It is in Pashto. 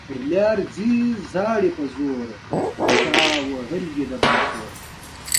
چارواکو ته پکار ده چې، رسنۍ قوي کړي.